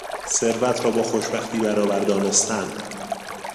ثروت را با خوشبختی برابر دانستن